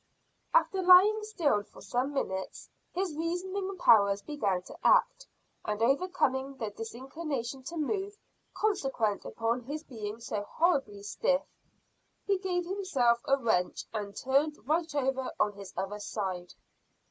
After lying still for some minutes, his reasoning powers began to act, and overcoming the disinclination to move, consequent upon his being so horribly stiff, he gave himself a wrench and turned right over on his other side.